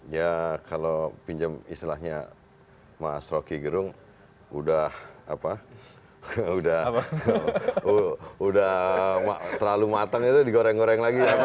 ya kalau pinjam istilahnya mas roky gerung udah apa udah terlalu matang itu digoreng goreng lagi